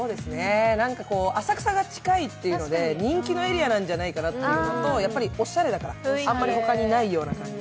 なんか浅草が近いっていうので人気のエリアじゃないかなっていうのとおしゃれだから、あんまり他にないような感じで。